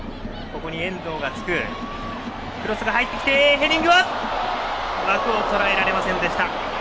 ヘディングは枠をとらえられませんでした。